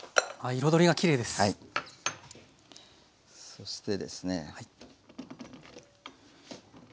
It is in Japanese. そしてですね。